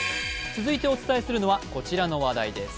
続いてお伝えするのは、こちらの話題です。